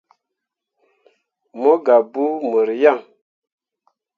Mo gah buu mor yaŋ.